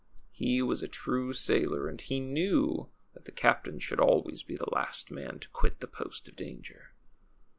He was a true sailor, and he knew that the captain should always be the last man to quit the post of danger.